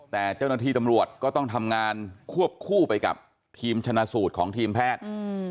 แต่เจ้าหน้าที่ตำรวจก็ต้องทำงานควบคู่ไปกับทีมชนะสูตรของทีมแพทย์